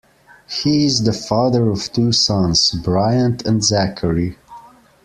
He is the father of two sons, Bryant and Zachary.